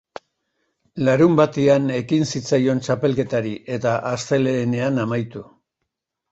Larunbatean ekin zitzaion txapelketari eta astelehenean amaitu.